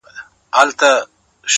ډېر الله پر زړه باندي دي شـپـه نـه ده.!